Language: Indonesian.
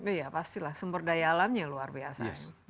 iya pastilah sumber daya alamnya luar biasa